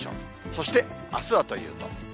そしてあすはというと。